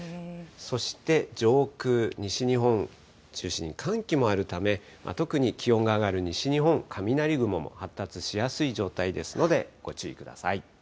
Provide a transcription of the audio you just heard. そして上空、西日本中心に寒気もあるため、特に気温が上がる西日本、雷雲も発達しやすい状態ですので、ご注意ください。